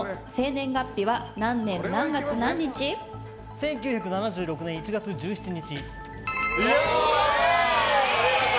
１９７６年１月１７日。